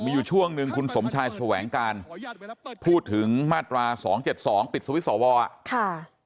มีอยู่ช่วงหนึ่งคุณสมชายแสวงการพูดถึงมาตรา๒๗๒ปิดสวิตช์สวอ่ะค่ะ